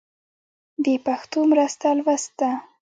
د پښتو مرسته لوست ده.